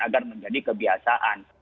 agar menjadi kebiasaan